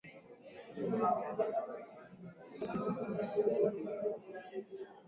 Waziri wa Mambo ya Nje wa Uganda Henry Okello Oryem alisema anatarajia uchaguzi utamalizika kwa usalama.